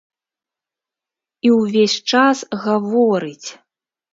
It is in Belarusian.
І ўвесь час гаворыць.